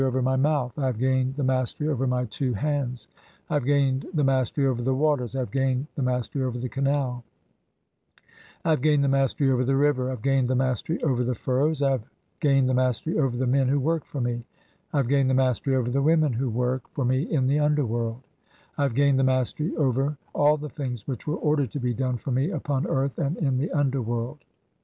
"over my mouth ; I have gained the mastery over my two "hands ; I have gained the mastery over the waters ; I have gained "the mastery over the canal ; I have gained the mastery over "(i3) the river ; I have gained the mastery over the furrows ; "I have gained the mastery over the men who work for me ; "I have gained the mastery over the women who work (14) "for me in the underworld ; I have gained the mastery over "[all] the things which were ordered to be done for me upon "earth and in the underworld.